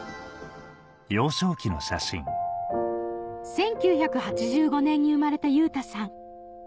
１９８５年に生まれた優太さん